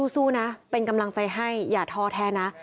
สู้นะเป็นกำลังใจให้อย่าท้อแท้นะ